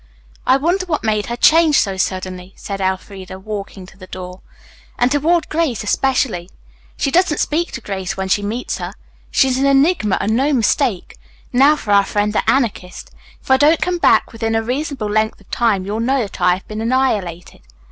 "I wonder what made her change so suddenly," said Elfreda, walking to the door, "and toward Grace, especially. She doesn't speak to Grace when she meets her. She is an Enigma and no mistake. Now for our friend the Anarchist. If I don't come back within a reasonable length of time you will know that I have been annihilated."